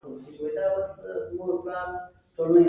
که ګاونډي خوږ وي، ژوند اسان وي